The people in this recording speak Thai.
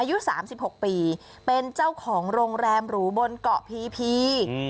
อายุสามสิบหกปีเป็นเจ้าของโรงแรมหรูบนเกาะพี่อืม